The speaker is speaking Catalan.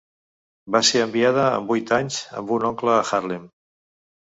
Va ser enviada amb vuit anys amb un oncle a Harlem.